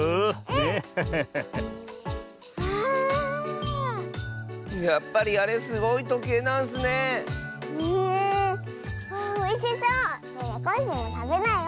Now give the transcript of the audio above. ねえコッシーもたべなよ！